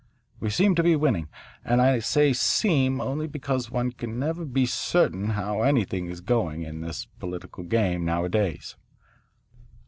We seem to be winning, and I say 'seem' only because one can never be certain how anything is going in this political game nowadays.